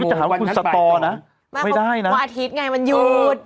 หรอว่าคุณสตรไม่ได้นะผมวันอาทิตย์ไงมันยูด